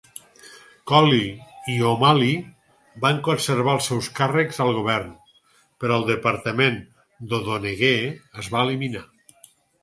Colley i O'Malley van conservar els seus càrrecs al govern, però el departament d'O'Donoghue es va eliminar.